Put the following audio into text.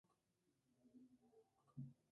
Es la secuela de "Jack Reacher".